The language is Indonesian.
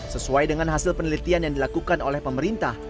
sesuai dengan hasil penelitian yang dilakukan oleh pemerintah